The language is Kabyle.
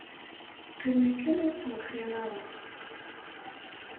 Qqim akken ur ttwexxiṛ ara.